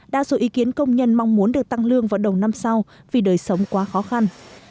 đa số ý kiến công nhân mong muốn được tăng lương vào đầu năm sau vì đời sống quá khó khăn